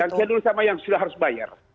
kan saya dulu sama yang sudah harus bayar